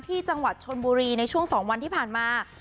ที่จังหวัดชนบุรีในช่วง๒วันที่ผ่านมา